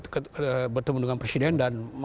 ketemu dengan presiden dan